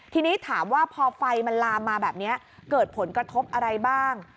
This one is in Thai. ทีนี้ถามว่าพอไฟมันลามมาแบบนี้เกิดผลกระทบอะไรบ้าง